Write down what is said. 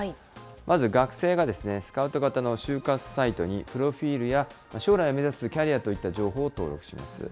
まず学生が、スカウト型の就活サイトに、プロフィールや、将来目指すキャリアといった情報を登録します。